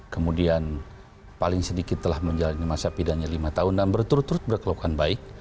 kemudian paling sedikit telah menjalani masa pidana lima tahun dan berturut turut berkelakuan baik